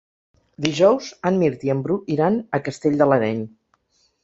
Dijous en Mirt i en Bru iran a Castell de l'Areny.